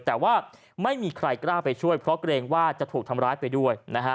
แต่ว่าไม่มีใครกล้าไปช่วยเพราะเกรงว่าจะถูกทำร้ายไปด้วยนะฮะ